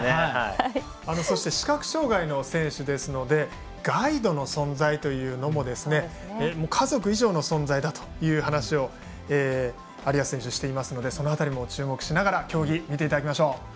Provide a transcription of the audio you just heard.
夢のある、地球上全スポーツできるぜというそして視覚障がいの選手ですのでガイドの存在というのも家族以上の存在だという話を有安選手していますのでその辺りも注目しながら競技、見ていきましょう。